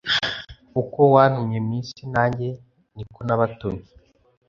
uko wantumye mu isi nanjye ni ko nabatumye